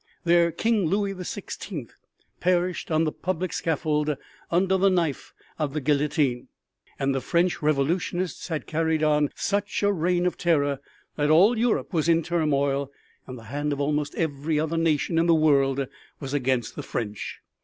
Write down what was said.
Their king, Louis the Sixteenth perished on the public scaffold under the knife of the guillotine, and the French revolutionists had carried on such a reign of terror that all Europe was in turmoil and the hand of almost every other nation in the world was against the French.